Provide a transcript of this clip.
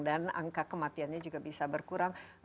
dan angka kematiannya juga bisa berkurang